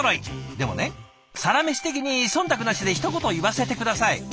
でもね「サラメシ」的にそんたくなしでひと言言わせて下さい。